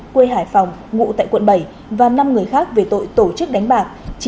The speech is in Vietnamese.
quê hải phòng ngủ tại quận bảy và năm người khác về tội tổ chức đánh bạc